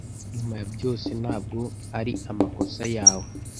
nyuma ya byose ntabwo ari amakosa yawe